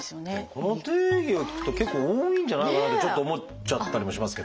この定義でいくと結構多いんじゃないかなってちょっと思っちゃったりもしますけどね。